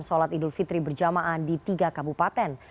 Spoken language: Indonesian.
sholat idul fitri berjamaah di tiga kabupaten